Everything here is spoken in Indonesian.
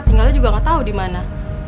tinggalnya juga gak tau dimana